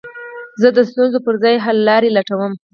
زه د ستونزو پر ځای، حللاري لټوم.